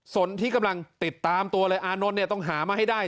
ส่วนที่กำลังติดตามตัวเลยอานนท์เนี่ยต้องหามาให้ได้